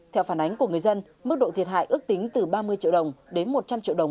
theo phản ánh của người dân mức độ thiệt hại ước tính từ ba mươi triệu đồng đến một trăm linh triệu đồng